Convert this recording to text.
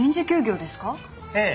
ええ。